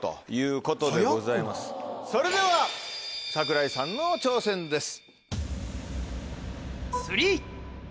それでは櫻井さんの挑戦です。